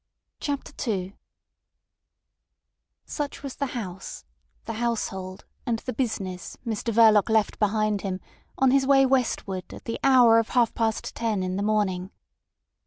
CHAPTER II Such was the house, the household, and the business Mr Verloc left behind him on his way westward at the hour of half past ten in the morning.